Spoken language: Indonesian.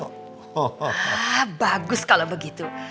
hah bagus kalau begitu